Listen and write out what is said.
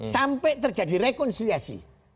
sampai terjadi rekonsiliasi